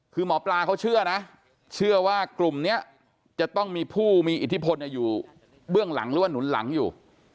คือหมอปลาเขาเชื่อนะเชื่อว่ากลุ่มนี้จะต้องมีผู้มีอิทธิพลอยู่เบื้องหลังหรือว่าหนุนหลังอยู่